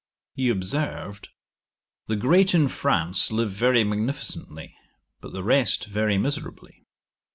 He observed, 'The great in France live very magnificently, but the rest very miserably.